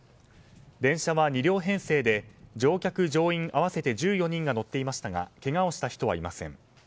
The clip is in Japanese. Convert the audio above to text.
電車は２両編成で乗客・乗員合わせて１４人が乗っていましたがけがをした人はいません。